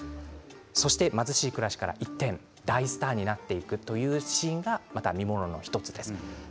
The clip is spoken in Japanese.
そして貧しい暮らしから一転大スターになっていくというシーンが、また見ものの１つです。